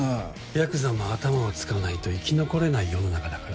ヤクザも頭を使わないと生き残れない世の中だからな。